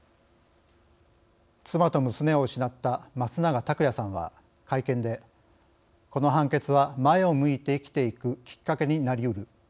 妻と娘を失った松永拓也さんは会見で「この判決は前を向いて生きていくきっかけになりうる。